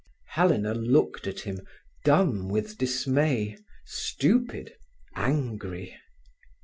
Helena looked at him, dumb with dismay, stupid, angry.